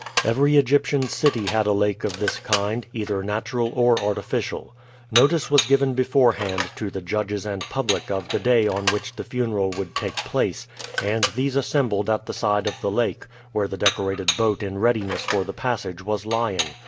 Every Egyptian city had a lake of this kind, either natural or artificial. Notice was given beforehand to the judges and public of the day on which the funeral would take place, and these assembled at the side of the lake, where the decorated boat in readiness for the passage was lying.